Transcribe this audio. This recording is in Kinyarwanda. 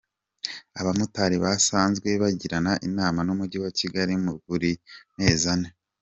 Abamotari basanzwe bagirana inama n’umujyi wa Kigali buri mezi ane.